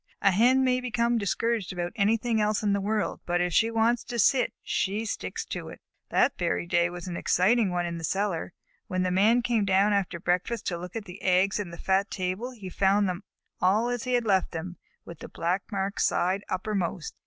A Hen may become discouraged about anything else in the world, but if she wants to sit, she sticks to it. That very day was an exciting one in the cellar. When the Man came down after breakfast to look at the eggs in the fat table he found them all as he had left them, with the black marked side uppermost.